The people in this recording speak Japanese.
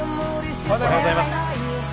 おはようございます。